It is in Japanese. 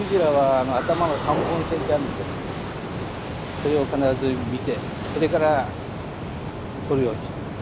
それを必ず見てそれから獲るようにしてます。